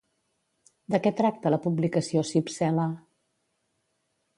De què tracta la publicació Cypsela?